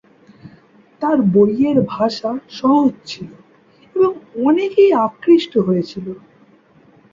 তার বইয়ের ভাষা সহজ ছিল এবং অনেকেই আকৃষ্ট হয়েছিল।